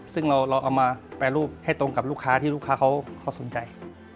ซึ่งเราเอามาแปรรูปให้ตรงกับลูกค้าที่ลูกค้าเขาสนใจ